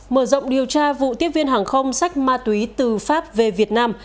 mở rộng điều tra vụ tiếp viên hàng không sách ma túy từ pháp về việt nam